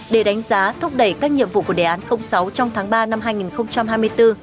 để đánh giá thúc đẩy các nhiệm vụ của đề án sáu trong tháng ba năm hai nghìn hai mươi bốn